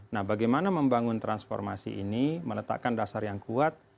nah bagaimana membangun transformasi ini meletakkan dasar yang kuat